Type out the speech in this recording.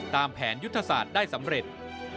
ตามแผนยุทธศาสตร์ได้สำเร็จ